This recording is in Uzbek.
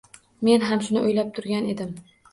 Men ham shuni o‘ylab turgan edim